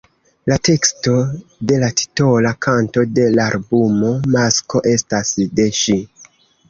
La teksto de la titola kanto de l‘ albumo „Masko“ estas de ŝi.